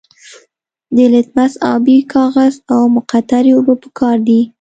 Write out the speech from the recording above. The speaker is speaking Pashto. د لتمس ابي کاغذ او مقطرې اوبه پکار دي.